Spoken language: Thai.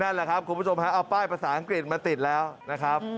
นั่นแหละครับคุณผู้ชมฮะเอาป้ายภาษาอังกฤษมาติดแล้วนะครับ